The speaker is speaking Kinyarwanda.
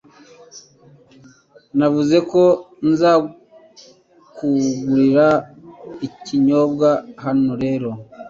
Navuze ko nzakugurira ikinyobwa, hano rero .